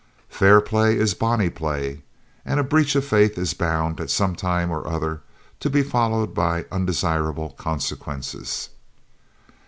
"Fair play is bonny play," and a breach of faith is bound, at some time or other, to be followed by undesirable consequences.